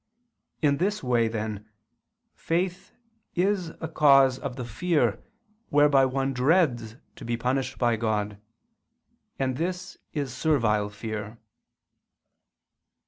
In this way, then, faith is a cause of the fear whereby one dreads to be punished by God; and this is servile fear.